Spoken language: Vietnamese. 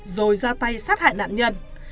rồi ra tay sát hại nạn nhân